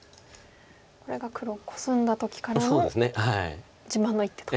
これが黒コスんだ時からの自慢の一手と。